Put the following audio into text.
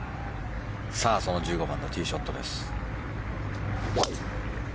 その１５番のティーショットです。